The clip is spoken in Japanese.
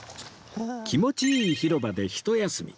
気持ちいい広場でひと休み